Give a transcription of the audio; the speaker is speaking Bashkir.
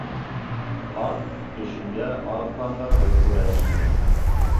Ҡарт төшөндә арыҫландарҙы күрә ине.